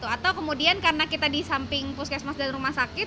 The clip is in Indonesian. atau kemudian karena kita di samping puskesmas dan rumah sakit